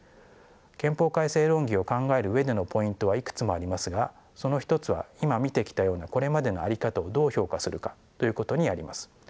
憲法改正論議を考える上でのポイントはいくつもありますがその一つは今見てきたようなこれまでの在り方をどう評価するかということにあります。